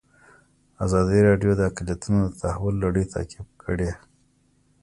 ازادي راډیو د اقلیتونه د تحول لړۍ تعقیب کړې.